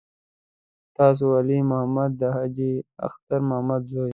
تاسو عیسی محمد د حاجي اختر محمد زوی.